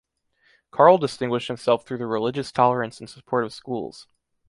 Karl distinguished himself through the religious tolerance and support of schools.